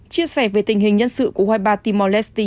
chia sẻ về tình hình nhân sự của u hai mươi ba timor leicester